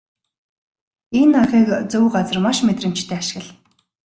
Энэ аргыг зөв газар маш мэдрэмжтэй ашигла.